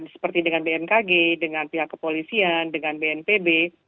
seperti dengan bmkg dengan pihak kepolisian dengan bnpb